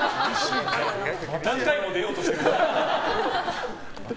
何回も出ようとしてる。